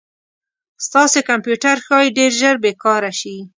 ستاسې کمپیوټر ښایي ډير ژر بې کاره شي